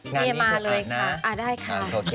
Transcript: งานนี้คือขาดนะอ่าได้ค่ะโอเคสักลูกค่ะ